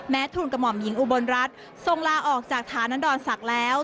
ทุนกระหม่อมหญิงอุบลรัฐทรงลาออกจากฐานดรศักดิ์แล้ว